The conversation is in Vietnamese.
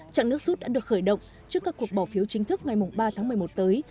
trạng nước rút đã được khởi động trước các cuộc bỏ phiếu chính thức ngày ba tháng một mươi một tới